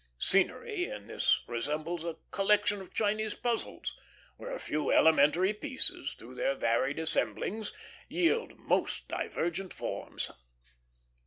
Scenery in this resembles a collection of Chinese puzzles, where a few elementary pieces, through their varied assemblings, yield most diverging forms.